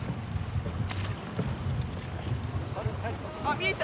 あっ見えた！